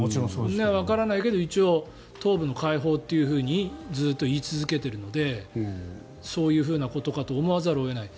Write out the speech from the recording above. わかりませんけれど一応、東部の解放というふうにずっと言い続けているのでそういうことかと思わざるを得ない。